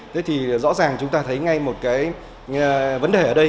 thế thì rõ ràng chúng ta thấy ngay một cái vấn đề